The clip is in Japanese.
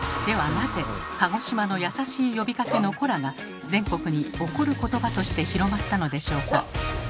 なぜ鹿児島の優しい呼びかけの「コラ」が全国に怒る言葉として広まったのでしょうか？